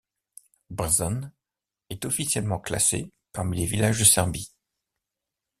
Brzan est officiellement classé parmi les villages de Serbie.